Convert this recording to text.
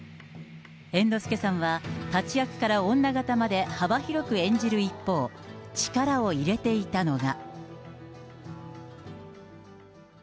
猿之助さんはたち役から女形まで幅広く演じる一方、力を入れていたのが。